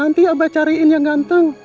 nanti abah cariin yang ganteng